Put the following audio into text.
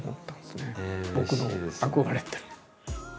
僕の憧れてる。